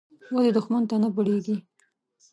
ولې دوښمن ته نه بړېږې.